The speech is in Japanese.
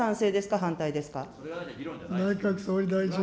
反対ですか。